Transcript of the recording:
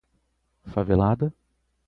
Favelada